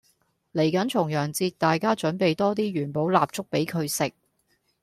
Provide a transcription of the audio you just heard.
嚟緊重陽節大家準備多啲元寶蠟燭俾佢食